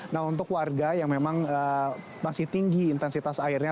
nah untuk warga yang memang masih tinggi intensitas airnya